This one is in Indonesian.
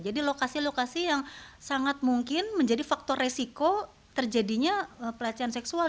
jadi lokasi lokasi yang sangat mungkin menjadi faktor resiko terjadinya pelecehan seksual